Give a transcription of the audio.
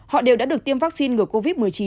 họ đều đã được tiêm vaccine ngừa covid một mươi chín